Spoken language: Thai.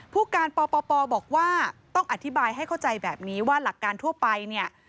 ผู้การปปบอกว่าต้องอธิบายให้เข้าใจแบบนี้ว่าหลักการทั่วไปเนี่ย